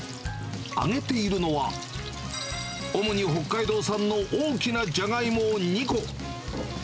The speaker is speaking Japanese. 揚げているのは、主に北海道産の大きなじゃがいもを２個。